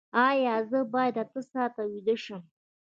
ایا زه باید اته ساعته ویده شم؟